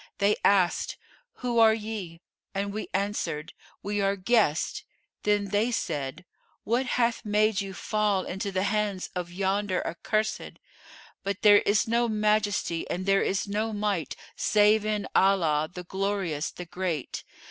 They asked, 'Who are ye?'; and we answered, 'We are guests.' Then said they, 'What hath made you fall into the hands of yonder accursed? But there is no Majesty and there is no Might save in Allah, the Glorious, the Great!